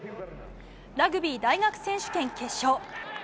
ラグビー大学選手権決勝。